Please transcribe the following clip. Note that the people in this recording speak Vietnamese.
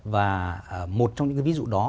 và một trong những ví dụ đó